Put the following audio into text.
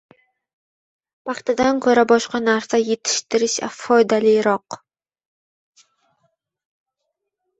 paxtadan ko‘ra boshqa narsa yetishtirish foydaliroq